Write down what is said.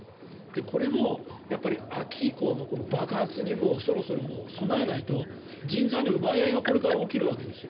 これも秋以降の爆発にそろそろ備えないと人材の奪い合いがこれから起きるわけですよ。